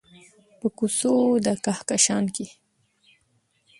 په کوڅو د کهکشان کې